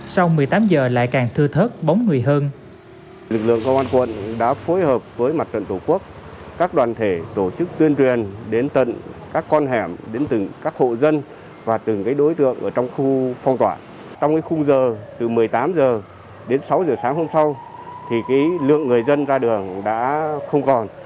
sau một mươi tám h lại càng thư thớt bóng người hơn